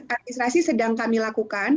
administrasi sedang kami lakukan